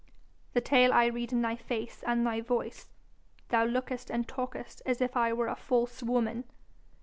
'The tale I read in thy face and thy voice. Thou lookest and talkest as if I were a false woman.'